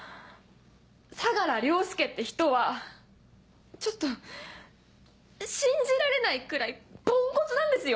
相良凌介って人はちょっと信じられないくらいポンコツなんですよ。